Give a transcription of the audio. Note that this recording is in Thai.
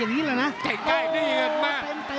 เห็นใกล้ได้ยินมา